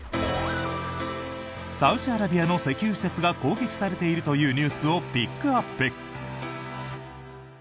サウジアラビアの石油施設が攻撃されているというニュースをピックアップ。